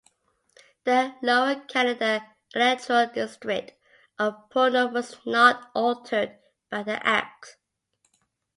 The Lower Canada electoral district of Portneuf was not altered by the Act.